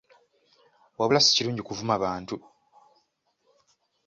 Wabula si kirungi kuvuma bantu.